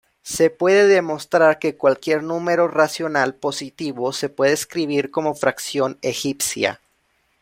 Se puede demostrar que cualquier número racional positivo se puede escribir como fracción egipcia.